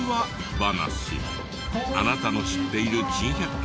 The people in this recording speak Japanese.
話あなたの知っている珍百景